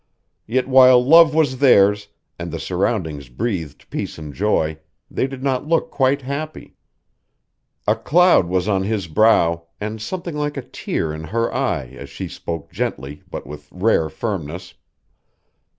Yet while love was theirs and the surroundings breathed peace and joy, they did not look quite happy. A cloud was on his brow and something like a tear in her eye as she spoke gently but with rare firmness.